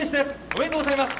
おめでとうございます。